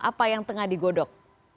apa yang tengah digodok